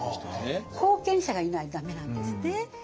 後見者がいないと駄目なんですね。